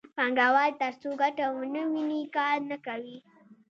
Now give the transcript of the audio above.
پانګوال ترڅو ګټه ونه ویني کار نه کوي